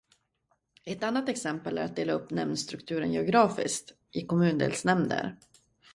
Ett annat exempel är att dela upp nämndstrukturen geografiskt, i kommundelsnämnder.